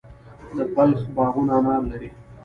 د بلخ باغونه انار لري.